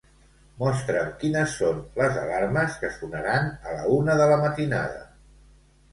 Mostra'm quines són les alarmes que sonaran a la una de la matinada.